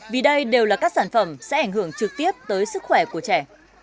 vì đây đều là các sản phẩm sẽ ảnh hưởng trực tiếp tới sức khỏe của trẻ